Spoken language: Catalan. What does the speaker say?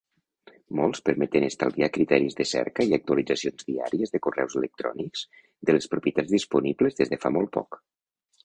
Molts permeten estalviar criteris de cerca i actualitzacions diàries de correus electrònics de les propietats disponibles des de fa molt poc.